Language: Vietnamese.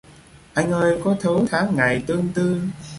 Anh ơi có thấu tháng ngày tương tư